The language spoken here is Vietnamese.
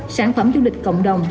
sản phẩm du lịch cộng đồng